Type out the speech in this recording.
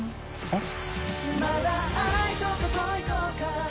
あっ！